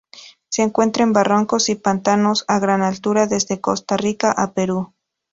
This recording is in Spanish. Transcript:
Se encuentra en barrancos y pantanos a gran altura, desde Costa Rica a Perú.